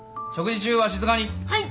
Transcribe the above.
はい。